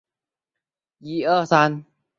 那对情侣有两张票